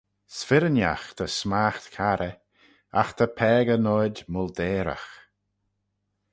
"S'firrinagh ta smaght carrey; agh ta paagey noid molteyragh."